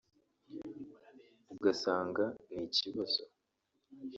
ugasanga ni ikibazo